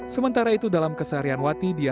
sementara itu dalam keseharian wati dia